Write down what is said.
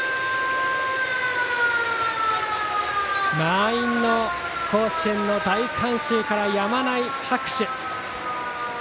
満員の甲子園の大観衆からやまない拍手。